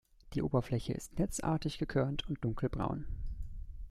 Die Oberfläche ist netzartig gekörnt und dunkelbraun.